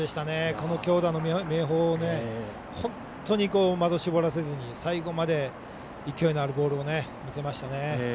この強打の明豊を的を絞らせずに最後まで勢いのあるボールを見せました。